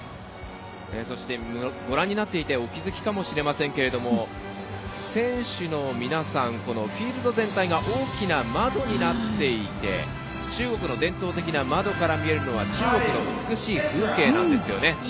ご覧になっていてお気づきかもしれませんけど選手の皆さん、フィールド全体が大きな窓になっていて中国の伝統的な窓から見えるのは中国の美しい風景なんですよね。